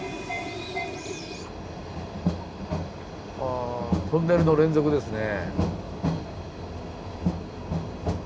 あトンネルの連続ですね。